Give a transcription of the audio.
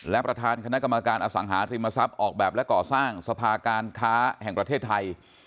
และประธานคณะกรรมการอสังหาริมทรัพย์ออกแบบและก่อสร้างสภาการค้าแห่งประเทศไทย